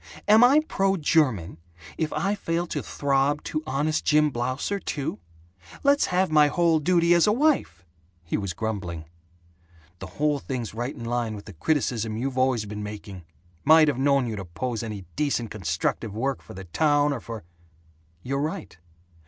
"Am I pro German if I fail to throb to Honest Jim Blausser, too? Let's have my whole duty as a wife!" He was grumbling, "The whole thing's right in line with the criticism you've always been making. Might have known you'd oppose any decent constructive work for the town or for " "You're right.